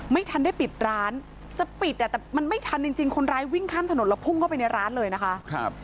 ไม่ทันได้ปิดร้านจะปิดอ่ะแต่มันไม่ทันจริงคนร้ายวิ่งข้ามถนนแล้วพุ่งเข้าไปในร้านเลยนะคะ